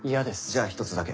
じゃあ１つだけ。